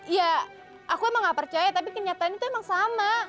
ya aku emang gak percaya tapi kenyataan itu emang sama